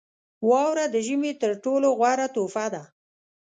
• واوره د ژمي تر ټولو غوره تحفه ده.